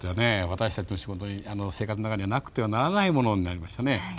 私たちの生活の中にはなくてはならないものになりましたね。